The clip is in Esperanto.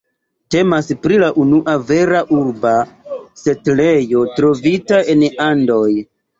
Temas pri la unua vera urba setlejo trovita en Andoj.